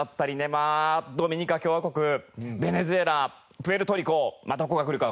まあドミニカ共和国ベネズエラプエルトリコまあどこがくるかわかりません。